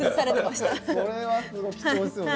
それはすごい貴重ですよね。